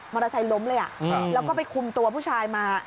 เตอร์ไซค์ล้มเลยแล้วก็ไปคุมตัวผู้ชายมา